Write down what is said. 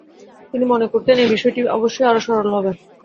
তিনি মনে করতেন এ বিষয়টি অবশ্যই আরো সরল হবে।